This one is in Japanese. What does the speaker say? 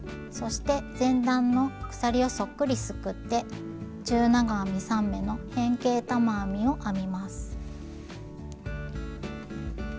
そして前段の鎖をそっくりすくって中長編み３目の変形玉編みを編みます。